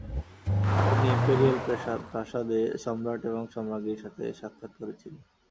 তিনি ইম্পেরিয়াল প্রাসাদে সম্রাট এবং সম্রাজ্ঞীর সাথে সাক্ষাত করেছিলেন।